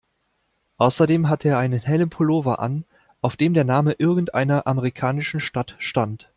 Außerdem hatte er einen hellen Pullover an, auf dem der Name irgendeiner amerikanischen Stadt stand.